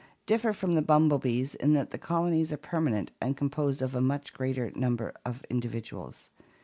39), differ from the bumblebees in that the colonies are permanent and composed of a much greater number of individuals.